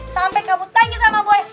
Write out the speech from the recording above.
sampai kamu tanya sama boy